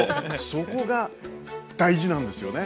そこが大事なんですよね？